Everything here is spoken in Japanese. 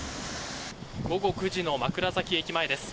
午後９時の枕崎駅前です。